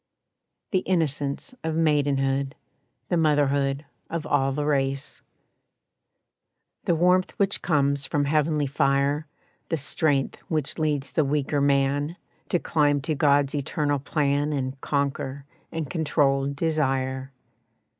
The innocence of maidenhood, The motherhood of all the race. The warmth which comes from heavenly fire, The strength which leads the weaker man To climb to God's Eternal plan And conquer and control desire.